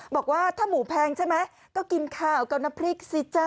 บอกว่าถ้าหมูแพงใช่ไหมก็กินข้าวกับน้ำพริกสิจ๊ะ